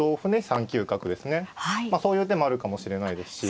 そういう手もあるかもしれないですし。